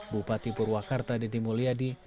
bupati purwakarta dedy mulyadi